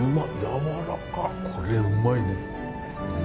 これ、うまいね。